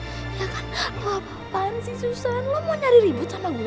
ya kan lo apaan sih susan lo mau nyari ribut sama gue